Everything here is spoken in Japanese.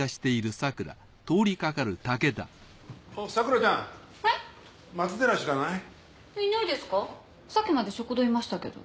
さっきまで食堂いましたけど。